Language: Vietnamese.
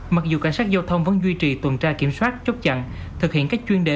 mặc dù cảnh sát giao thông vẫn duy trì tuần tra kiểm soát chốt chặn thực hiện các chuyên đề